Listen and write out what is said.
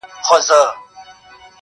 • زارۍ.